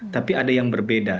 tapi ada yang berbeda